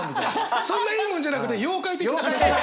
そんないいもんじゃなくて妖怪的な話です！